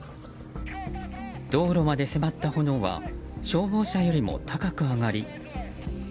道路まで迫った炎は消防車よりも高く上がり。